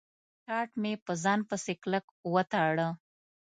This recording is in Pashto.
ټاټ مې په ځان پسې کلک و تاړه.